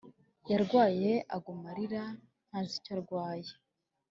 Yarwaye aguma arira ntazi icyo yabaye